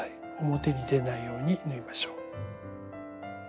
表に出ないように縫いましょう。